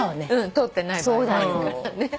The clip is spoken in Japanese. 通ってない場合もあるからね。